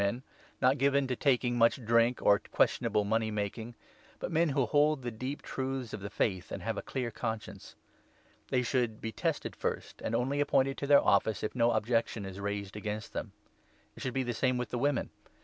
, men, not given to taking much drink or to questionable money making, but men who hold the deep 9 truths of the Faith and have a clear conscience. They should 10 be tested first, and only appointed to their Office if no objection is raised against them. It should be the same with the n women.